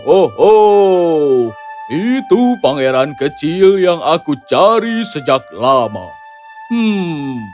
oh oh itu pangeran kecil yang aku cari sejak lama hmm